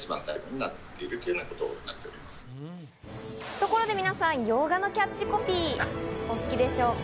ところで皆さん、洋画のキャッチコピー、お好きでしょうか？